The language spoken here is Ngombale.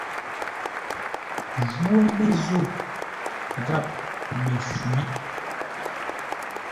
Jwó Mə́zô gháp Məshwî.